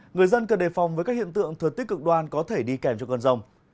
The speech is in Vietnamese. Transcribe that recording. người dân cần đề phòng với các hiện tượng thừa tích cực đoan có thể đi kèm cho cơn rông